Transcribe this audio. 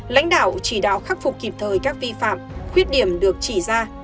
lãnh đạo chỉ đạo khắc phục kịp thời các vi phạm khuyết điểm được chỉ ra